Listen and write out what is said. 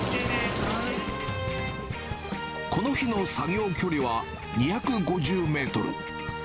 この日の作業距離は２５０メートル。